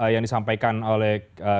yang disampaikan oleh